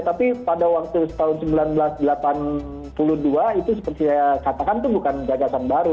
tapi pada waktu tahun seribu sembilan ratus delapan puluh dua itu seperti saya katakan itu bukan gagasan baru